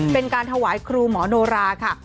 เป็นการถวายครูหมอโนราค่ะ